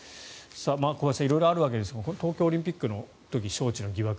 小林さん、色々あるわけですが東京オリンピックの時招致の疑惑